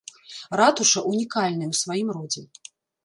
Ратуша ўнікальная ў сваім родзе.